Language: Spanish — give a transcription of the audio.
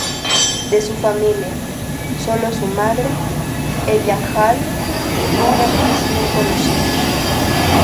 De su familia, solo su madre, Ella Hall, fue una actriz bien conocida.